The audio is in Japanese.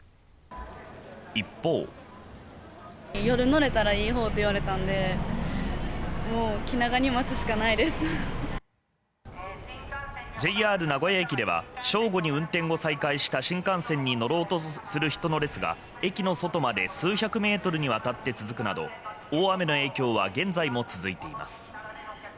一方ＪＲ名古屋駅では、正午に運転を再開した新幹線に乗ろうとする人の列が駅の外まで数百メートルにわたって続くなど大雨の影響は現在も続いています。